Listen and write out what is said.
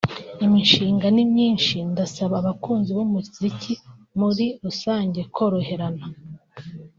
Imishinga ni myinshi ndasaba abakunzi b’umuziki muri rusange koroherana